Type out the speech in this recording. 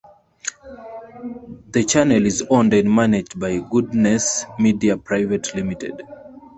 The channel is owned and managed by Goodness Media Private Limited.